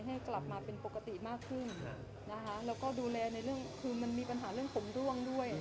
ให้กลับมาเป็นปกติมากขึ้นนะคะแล้วก็ดูแลในเรื่องคือมันมีปัญหาเรื่องผมร่วงด้วย